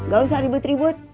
gak usah ribet ribet